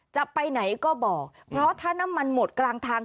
จะไปไหนก็บอกเพราะถ้าน้ำมันหมดกลางทาง